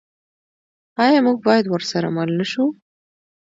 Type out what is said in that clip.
آیا موږ باید ورسره مل نشو؟